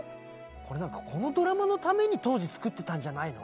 これこのドラマのために当時作ってたんじゃないの？